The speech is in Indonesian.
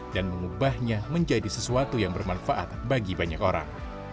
dan mengubahnya menjadi sesuatu yang bermanfaat bagi banyak orang